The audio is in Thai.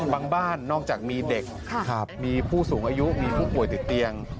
บ้านนอกจากมีเด็กมีผู้สูงอายุมีผู้ป่วยติดเตียง